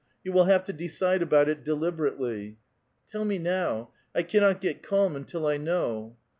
You will have to decide about it deliberately." '* Tell me now ! 1 cannot get calm until 1 know."